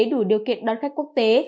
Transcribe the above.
đủ điều kiện đón khách quốc tế